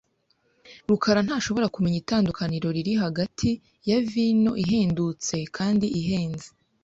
rukarantashobora kumenya itandukaniro riri hagati ya vino ihendutse kandi ihenze.